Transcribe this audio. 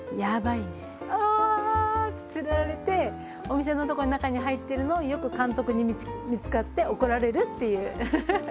ああって釣られてお店のとこに中に入っているのをよく監督に見つかって怒られるっていうウフフフフ。